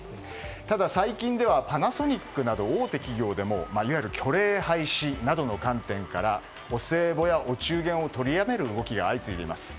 ただ最近ではパナソニックなど大手企業でも虚礼廃止などの観点からお歳暮や、お中元を取りやめる動きが相次いでいます。